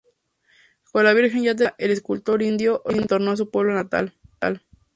Con la Virgen ya terminada, el escultor indio retornó a su pueblo natal.